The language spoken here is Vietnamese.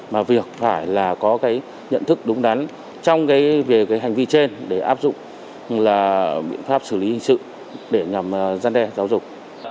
mà việc phải là có cái nhận thức đúng đắn trong cái về cái hành vi trên để áp dụng là biện pháp xử lý hình sự để nhằm gian đe giáo dục